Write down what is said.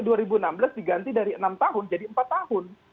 dua ribu enam belas diganti dari enam tahun jadi empat tahun